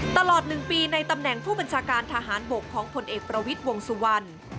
ตลอด๑ปีในตำแหน่งผู้บัญชาการทหารบกของผลเอกประวิทย์วงสุวรรณ